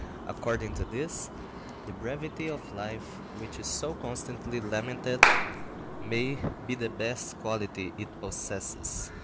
According to this, the brevity of life, which is so constantly lamented, may be the best quality it possesses.